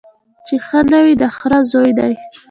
چي ښه نه وي د خره زوی دی